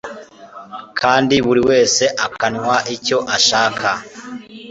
kandi buri wese akanywa icyo ashaka.